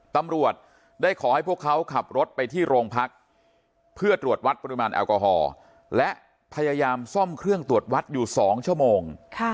ตำรวจได้ขอให้พวกเขาขับรถไปที่โรงพักเพื่อตรวจวัดปริมาณแอลกอฮอล์และพยายามซ่อมเครื่องตรวจวัดอยู่๒ชั่วโมง